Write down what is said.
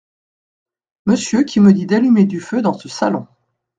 Monsieur qui me dit d’allumer du feu dans ce salon.